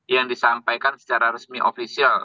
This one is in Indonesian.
yang disampaikan secara resmi ofisial